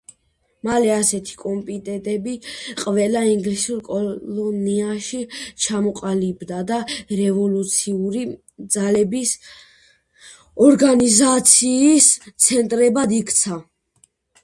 მალე ასეთი კომიტეტები ყველა ინგლისურ კოლონიაში ჩამოყალიბდა და რევოლუციური ძალების ორგანიზაციის ცენტრებად იქცა.